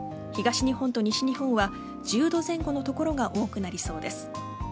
東日本と西日本は１０度前後の所が多くなりそうです。